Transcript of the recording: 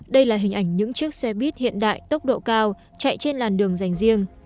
đây là hình ảnh những chiếc xe buýt hiện đại tốc độ cao chạy trên làn đường dành riêng